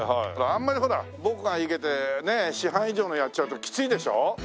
あんまりほら僕が生けてね師範以上のやっちゃうときついでしょ？